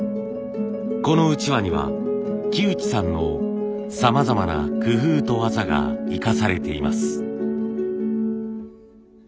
このうちわには木内さんのさまざまな工夫と技が生かされています。